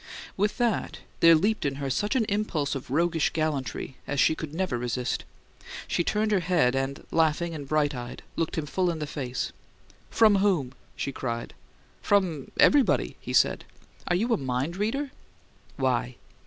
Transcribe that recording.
With that, there leaped in her such an impulse of roguish gallantry as she could never resist. She turned her head, and, laughing and bright eyed, looked him full in the face. "From whom?" she cried. "From everybody!" he said. "Are you a mind reader?" "Why?"